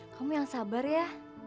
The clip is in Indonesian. kamu yang sabar ya